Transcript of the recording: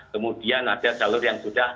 kemudian ada jalur yang sudah